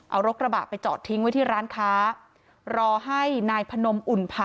เอารถกระบะไปจอดทิ้งไว้ที่ร้านค้ารอให้นายพนมอุ่นผะ